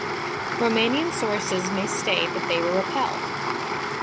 Romanian sources may state that they were repelled.